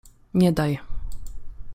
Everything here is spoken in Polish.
Nie daj.